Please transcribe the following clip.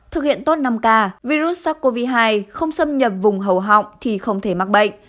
thực hiện tốt năm ca virus sars cov hai không xâm nhập vùng hầu họng thì không thể mắc bệnh